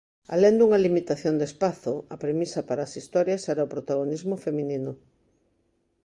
Alén dunha limitación de espazo, a premisa para as historias era o protagonismo feminino.